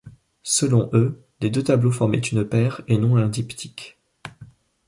Selon eux, les deux tableaux formaient une paire, et non un diptyque.